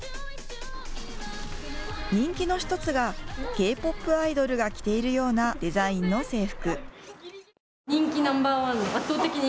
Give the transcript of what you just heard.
人気の１つがＫーＰＯＰアイドルが着ているようなデザインの制服。